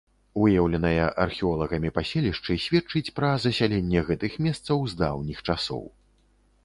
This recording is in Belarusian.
Выяўленае археолагамі паселішчы сведчыць пра засяленне гэтых месцаў з даўніх часоў.